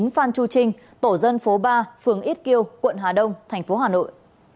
phường ít kiêu quận hà đông thành phố hà nội